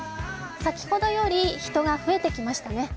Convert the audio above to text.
先ほどより人が増えてきましたね。